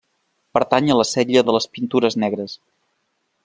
Pertany a la sèrie de les Pintures Negres.